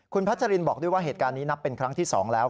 คุณพัชรินบอกด้วยว่าเหตุการณ์นี้นับเป็นครั้งที่๒แล้ว